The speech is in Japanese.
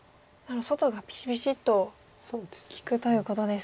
外がピシピシッと利くということですか。